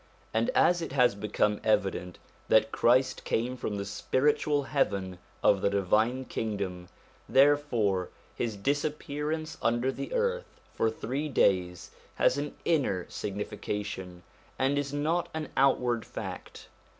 And as it has become evident that Christ came from the spiritual heaven of the Divine Kingdom, therefore his disappearance under the earth for three days has an inner signification, and is not an outward fact.